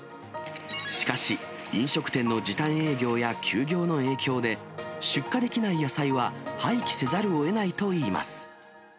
しかし、飲食店の時短営業や休業の影響で、出荷できない野菜は廃棄せざるをえないといいます。